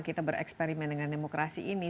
kita bereksperimen dengan demokrasi ini